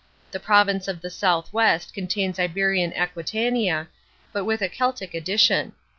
The province of the south west contains Iberian Aquitania, but with a Celtic addition.